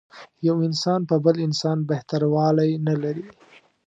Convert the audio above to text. یو انسان په بل انسان بهتر والی نه لري.